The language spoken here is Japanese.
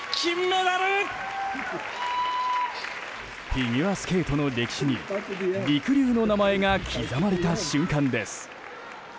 フィギュアスケートの歴史にりくりゅうの名前が刻まれた瞬間です。